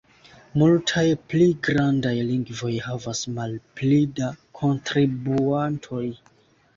Multaj pli grandaj lingvoj havas malpli da kontribuantoj.